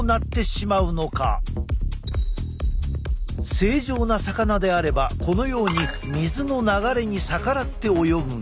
正常な魚であればこのように水の流れに逆らって泳ぐが。